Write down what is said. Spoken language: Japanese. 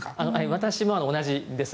私も同じです。